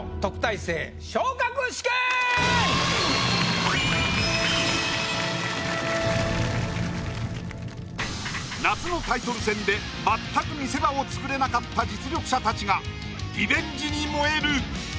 イエイ！夏のタイトル戦でまったく見せ場を作れなかった実力者たちがリベンジに燃える！